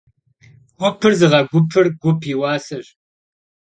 Gupır zığegupır gup yi vuaseş.